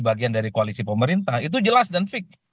bagian dari koalisi pemerintah itu jelas dan fix